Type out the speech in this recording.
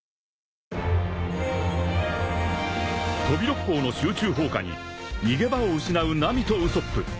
［飛び六胞の集中砲火に逃げ場を失うナミとウソップ］